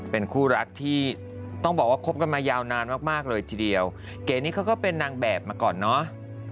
เป็นคู่รักที่ต้องบอกว่าคบกันมายาวนานมากมากเลยทีเดียวเก๋นี่เขาก็เป็นนางแบบมาก่อนเนอะ